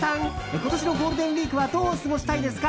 今年のゴールデンウィークはどう過ごしたいですか？